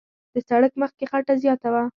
د سړک مخ کې خټه زیاته وه.